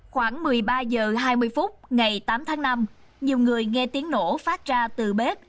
khoảng một mươi ba h hai mươi phút ngày tám tháng năm nhiều người nghe tiếng nổ phát ra từ bếp